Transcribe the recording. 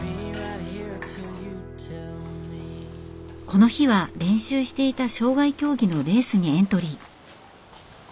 この日は練習していた障害競技のレースにエントリー。